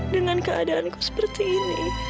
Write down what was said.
dengan keadaanku seperti ini